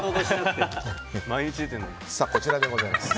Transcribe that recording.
こちらでございます。